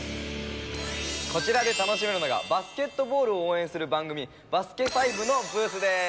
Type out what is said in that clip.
こちらで楽しめるのがバスケットボールを応援する番組『バスケ☆ＦＩＶＥ』のブースです。